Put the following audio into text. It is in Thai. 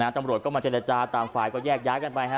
นานจำรวจก็มาจริรัจราตามไฟล์ก็แยกย้ายกันไป